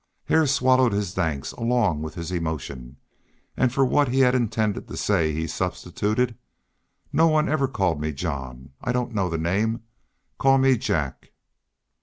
Hare swallowed his thanks along with his emotion, and for what he had intended to say he substituted: "No one ever called me John. I don't know the name. Call me Jack."